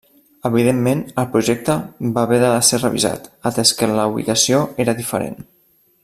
Evidentment el projecte va haver de ser revisat, atès que la ubicació era diferent.